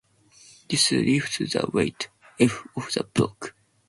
This lifts the weight "F" of the block.